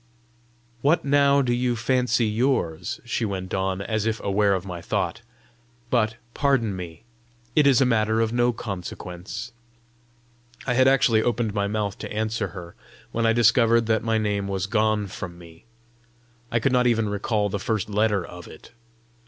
"What now do you fancy yours?" she went on, as if aware of my thought. "But, pardon me, it is a matter of no consequence." I had actually opened my mouth to answer her, when I discovered that my name was gone from me. I could not even recall the first letter of it!